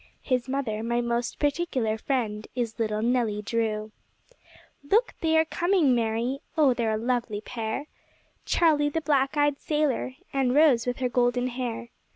His mother, my most particular friend, is little Nelly Drew. Look! they are coming, Mary. Oh, they are a lovely pair! Charlie, the black eyed sailor, and Rose with her golden hair.